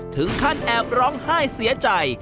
ถึงขั้นแอบร้องไห้เสียใจ